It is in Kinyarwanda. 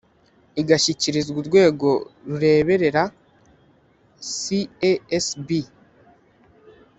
igashyikirizwa urwego rureberera cesb